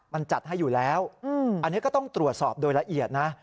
มันจัดให้อยู่แล้วอันนี้ก็ต้องตรวจสอบโดยละเอียดนะ